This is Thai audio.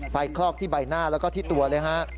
คลอกที่ใบหน้าแล้วก็ที่ตัวเลยฮะ